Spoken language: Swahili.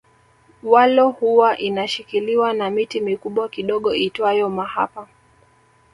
Walo huwa inashikiliwa na miti mikubwa kidogo iitwayo mahapa